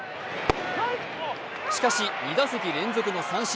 しかし、２打席連続の三振。